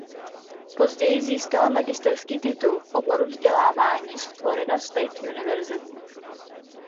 Později získala magisterský titul v oboru vzdělávání z Florida State University.